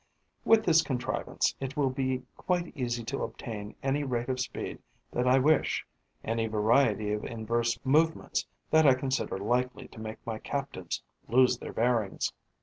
With this contrivance, it will be quite easy to obtain any rate of speed that I wish, any variety of inverse movements that I consider likely to make my captives lose their bearings.